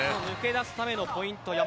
抜け出すためのポイント